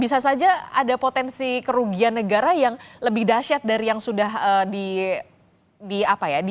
bisa saja ada potensi kerugian negara yang lebih dahsyat dari yang sudah di apa ya